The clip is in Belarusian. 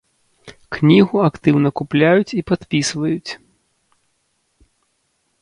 Кнігу актыўна купляюць і падпісваюць.